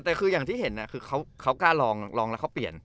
แต่คืออย่างที่เห็นคือเขากล้าลองแล้วเขาเปลี่ยน